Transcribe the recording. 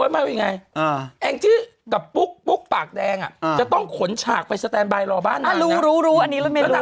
ไม่ต้องถึงกระจ่าพาน